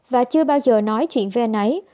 và chưa bao giờ nói chuyện với anh ấy